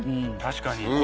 確かに。